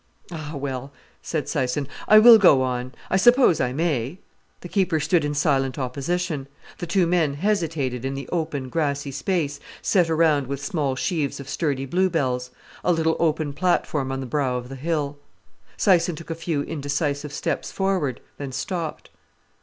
"Ah well!" said Syson, "I will go on. I suppose I may." The keeper stood in silent opposition. The two men hesitated in the open, grassy space, set around with small sheaves of sturdy bluebells; a little open platform on the brow of the hill. Syson took a few indecisive steps forward, then stopped.